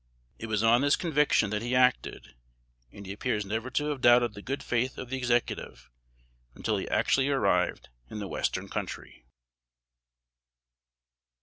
It was on this conviction that he acted, and he appears never to have doubted the good faith of the Executive until he actually arrived in the Western Country.